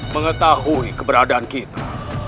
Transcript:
mengetahui keberadaan kita